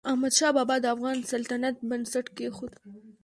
احمدشاه بابا د افغان سلطنت بنسټ کېښود.